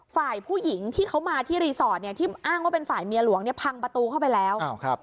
ฝ่ายผู้หญิงที่เขามาที่รีสอร์ทเนี่ยที่อ้างว่าเป็นฝ่ายเมียหลวงเนี่ยพังประตูเข้าไปแล้ว